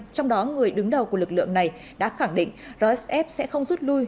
trong đó người đứng đầu của lực lượng này đã khẳng định rsf sẽ không rút lui